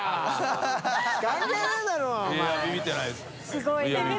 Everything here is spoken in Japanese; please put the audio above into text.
すごいな。